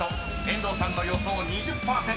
［遠藤さんの予想２０％。